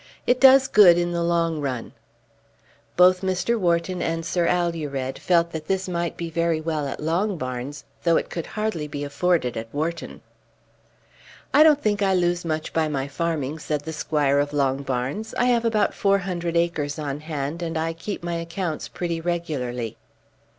It does good in the long run." Both Mr. Wharton and Sir Alured felt that this might be very well at Longbarns, though it could hardly be afforded at Wharton. "I don't think I lose much by my farming," said the squire of Longbarns. "I have about four hundred acres on hand, and I keep my accounts pretty regularly."